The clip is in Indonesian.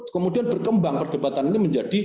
kemudian berkembang perdebatan ini menjadi